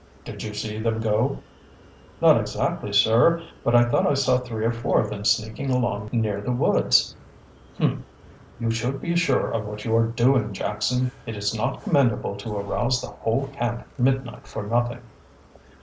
"Did you see them go?" "Not exactly, sir, but I thought I saw three or four of them sneaking along near the woods." "Humph! You should be sure of what you are doing, Jackson. It is not commendable to arouse the whole camp at midnight for nothing."